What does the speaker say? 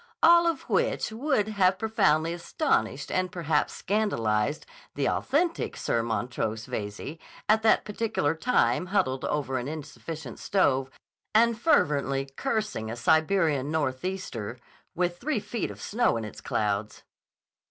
All of which would have profoundly astonished and perhaps scandalized the authentic Sir Montrose Veyze, at that particular time huddled over an insufficient stove and fervently cursing a Siberian northeaster with three feet of snow in its clouds.